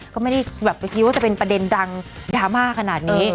ก็ไม่ได้แบบไปคิดว่าจะเป็นประเด็นดังดราม่าขนาดนี้